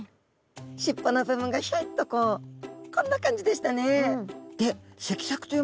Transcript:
尻尾の部分がひょいっとこうこんな感じでしたね。